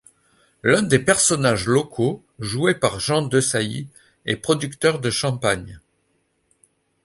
L'un des personnages locaux, joué par Jean Desailly, est producteur de Champagne.